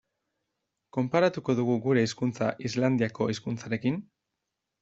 Konparatuko dugu gure hizkuntza Islandiako hizkuntzarekin?